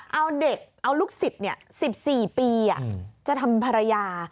เอาเด็กเอาลูกศิษย์๑๔ปีจะทำภรรยา